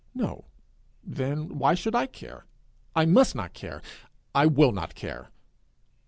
No. Then why should I care? I must not care. I will not care!